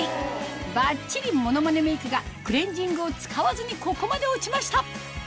バッチリモノマネメイクがクレンジングを使わずにここまで落ちました